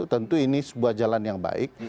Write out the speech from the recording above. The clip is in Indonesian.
tentu ini sebuah jalan yang baik